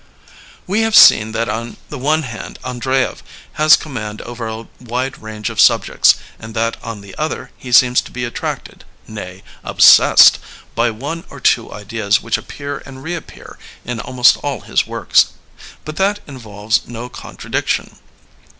*' We have seen that on the one hand Andreyev has command over a wide range of subjects and that on the other he seems to be attracted, nay, obsessed, by one or two ideas which appear and reappear in al most all his works. But that involves no contradic tion.